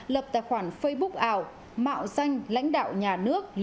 lập tài khoản facebook ảo mạo danh lãnh đạo nhà nước